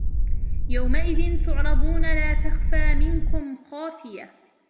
يَوْمَئِذٍ تُعْرَضُونَ لا تَخْفَى مِنكُمْ خَافِيَةٌ